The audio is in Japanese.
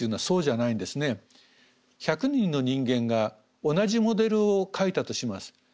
１００人の人間が同じモデルを描いたとします。